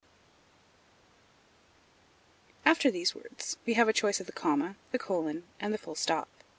After these words, we have a choice of the comma, the colon, and the full stop.